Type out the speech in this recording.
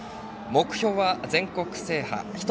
目標は全国制覇。